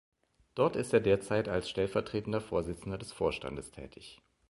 Dort ist er derzeit als stellvertretender Vorsitzender des Vorstandes tätig.